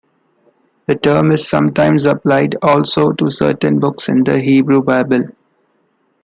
The term is sometimes applied also to certain books in the Hebrew Bible.